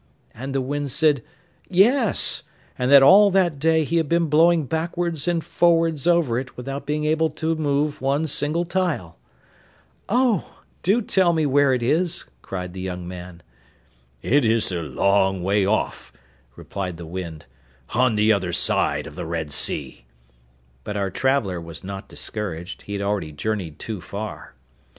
And the wind said yes, and that all that day he had been blowing backwards and forwards over it without being able to move one single tile. 'Oh, do tell me where it is,' cried the you man. 'It is a long way off,' replied the wind, 'on the other side of the Red Sea.' But our traveller was not discouraged, he had already journeyed too far.